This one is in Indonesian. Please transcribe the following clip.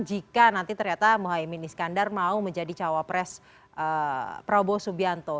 jika nanti ternyata mohaimin iskandar mau menjadi cawapres prabowo subianto